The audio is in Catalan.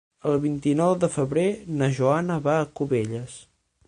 El vint-i-nou de febrer na Joana va a Cubelles.